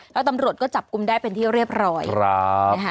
แล้วตำรวจก็จับกลุ่มได้เป็นที่เรียบร้อยนะคะ